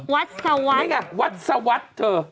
วัดสวัด